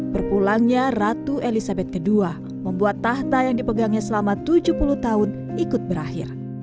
berpulangnya ratu elizabeth ii membuat tahta yang dipegangnya selama tujuh puluh tahun ikut berakhir